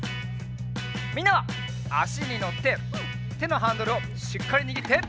みんなはあしにのっててのハンドルをしっかりにぎって！